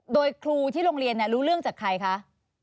โดยครูที่โรงเรียนรู้เรื่องจากใครคะ